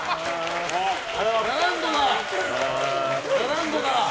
ラランドだ！